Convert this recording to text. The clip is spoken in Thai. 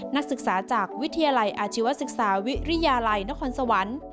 นักศึกษาจากวิทยาลัยอาชีวศึกษาวิทยาลัยนครสวรรค์